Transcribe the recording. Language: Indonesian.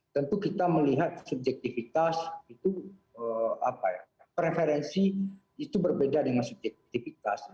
tentu kita melihat subjektivitas itu preferensi itu berbeda dengan subjektivitas